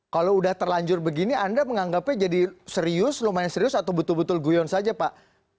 kalau sudah terlanjur begini anda menganggapnya jadi serius lumayan serius atau betul betul guyon saja pak